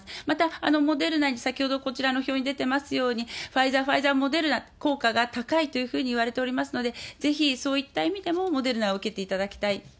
また、モデルナに、先ほど、こちらの表に出てますように、ファイザー、ファイザー、モデルナ、効果が高いというふうにいわれておりますので、ぜひそういった意味でもモデルナを受けていただきたい。